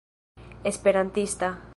esperantista